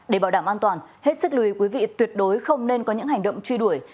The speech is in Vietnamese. để bảo đảm an toàn hết sức lùi quý vị tuyệt đối không nên có những hành động truy đuổi